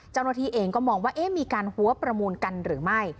เจ้าหน้าที่เองก็มองว่ามีการหัวประมูลกันหรือไม่